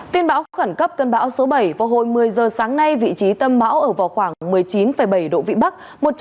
tin bão khẩn cấp cân bão số bảy vào hồi một mươi giờ sáng nay vị trí tâm bão ở vào khoảng một mươi chín bảy độ vĩ bắc